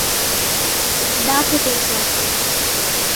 Dá que pensar.